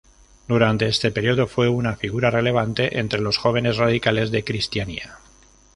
Durante este período, fue una figura relevante entre los jóvenes radicales de Kristiania.